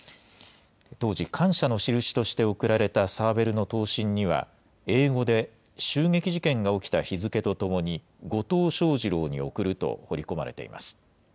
当時、感謝のしるしとして贈られたサーベルの刀身には、英語で襲撃事件が起きた日付とともに、後藤象二郎に贈ると彫り込まれています。